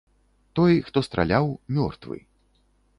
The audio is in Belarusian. Той, хто страляў, мёртвы.